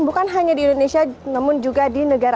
bukan hanya di indonesia namun juga di negara